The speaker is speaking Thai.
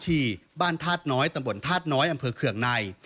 ที่บ้านธาตุน้อยตำบลธาตุน้อยอำเภอเคืองใน